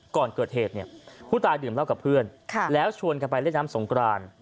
ก่อนเกิดเหตุเนี่ยผู้ตายดื่มเหล้ากับเพื่อนแล้วชวนกันไปเล่นน้ำสงกราน